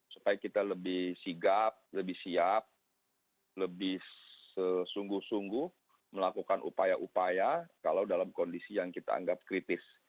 supaya kita lebih sigap lebih siap lebih sesungguh sungguh melakukan upaya upaya kalau dalam kondisi yang kita anggap kritis